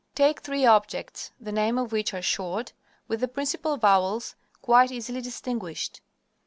Take three objects, the names of which are short, with the principal vowels quite easily distinguished.